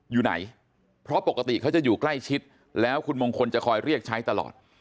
อยู่ไหนเพราะปกติเขาจะอยู่ใกล้ชิดแล้วคุณมงคลจะคอยเรียกใช้ตลอด